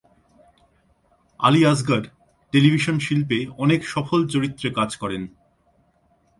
Ali Asgar television শিল্পে অনেক সফল চরিত্রে কাজ করেন।